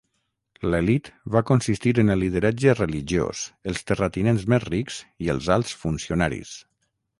L'elit va consistir en el lideratge religiós, els terratinents més rics i els alts funcionaris.